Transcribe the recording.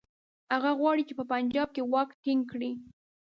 هغه غواړي په پنجاب کې واک ټینګ کړي.